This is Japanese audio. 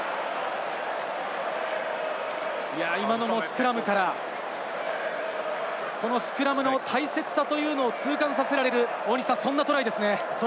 今のもスクラムから、スクラムの大切さというのを痛感させられる、そんなトライですね。